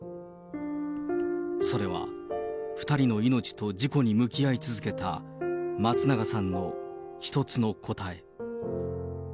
それは、２人の命と事故に向き合い続けた、松永さんの一つの答え。